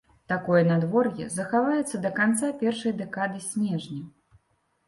Такое надвор'е захаваецца да канца першай дэкады снежня.